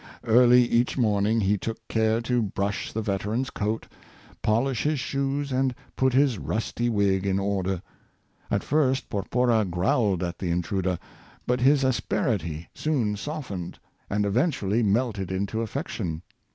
Early each morning he took care to brush the veteran's coat, polish his shoes, and put his rusty wig in order. At first Porpora 142 The Great Musicians. growled at the intruder, but his asperit}^ soon softened, and eventually melted into affection.